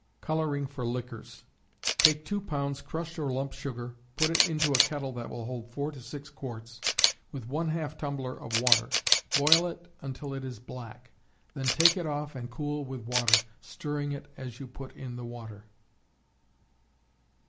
Coloring for Liquors. Take 2 pounds crushed or lump sugar, put it into a kettle that will hold 4 to 6 quarts, with ½ tumbler of water. Boil it until it is black, then take it off and cool with water, stirring it as you put in the water.